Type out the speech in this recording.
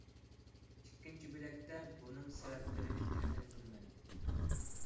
ئىككىنچى بۆلەكتە بۇنىڭ سەۋەبلىرىنى تەھلىل قىلىمەن.